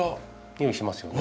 匂いしますよね。